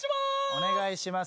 お願いします。